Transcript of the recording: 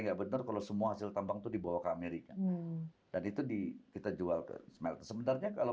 nggak bener kalau semua hasil tambang tuh dibawa ke amerika dan itu di kita jual ke sebenarnya kalau